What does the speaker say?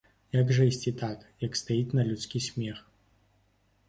Як жа ісці так, як стаіць, на людскі смех?